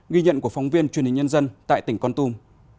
ghi nhận của phóng viên truyền hình nhân dân tại tỉnh con tum